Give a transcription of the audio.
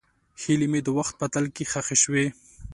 هیلې مې د وخت په تل کې ښخې شوې.